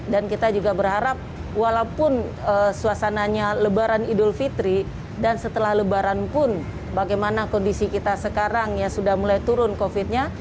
dan kita juga berharap walaupun suasananya lebaran idul fitri dan setelah lebaran pun bagaimana kondisi kita sekarang ya sudah mulai turun covid nya